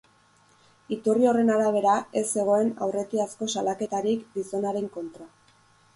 Iturri horren arabera, ez zegoen aurretiazko salaketarik gizonaren kontra.